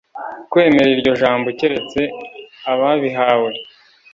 kwemera iryo jambo keretse ababihawe